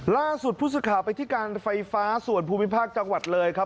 ล่าสุดผู้สื่อข่าวไปที่การไฟฟ้าส่วนภูมิภาคจังหวัดเลยครับ